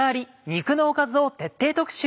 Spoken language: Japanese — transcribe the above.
肉のおかず」を徹底特集。